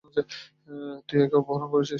তুই কি একা অপহরণ করেছিস?